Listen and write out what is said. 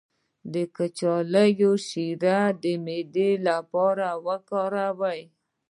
د کچالو شیره د معدې لپاره وکاروئ